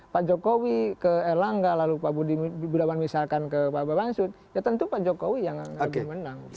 pak jokowi ke erlangga lalu pak budi gunawan misalkan ke pak babang sud ya tentu pak jokowi yang lebih menang